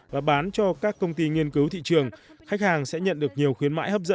và bán cho các công ty nghiên cứu thị trường